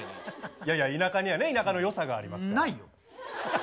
いやいや田舎にはね田舎の良さがありますから。